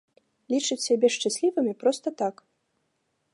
Лічаць сябе шчаслівымі проста так.